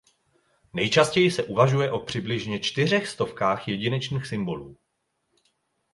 Nejčastěji se uvažuje o přibližně čtyřech stovkách jedinečných symbolů.